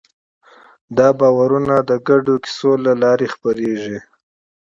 دا باورونه د ګډو کیسو له لارې خپرېږي.